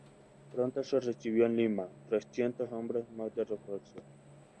Pronto se recibió en Lima, trescientos hombres más de refuerzo.